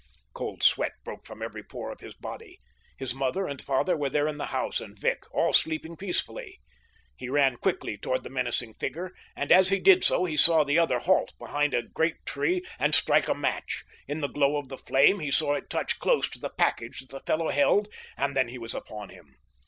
Cold sweat broke from every pore of his body. His mother and father were there in the house, and Vic—all sleeping peacefully. He ran quickly toward the menacing figure, and as he did so he saw the other halt behind a great tree and strike a match. In the glow of the flame he saw it touch close to the package that the fellow held, and then he was upon him.